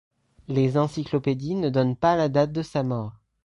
Les encyclopédies ne donnent pas la date de sa mort.